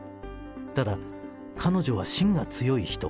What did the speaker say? ただ、彼女はしんが強い人。